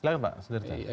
silahkan pak sederhana